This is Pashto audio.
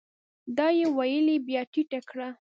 دا يې ويلې بيا ټيټه کړه ؟